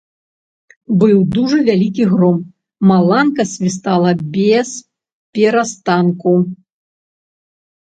Быў дужа вялікі гром, маланка свістала бесперастанку.